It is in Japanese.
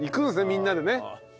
みんなでね。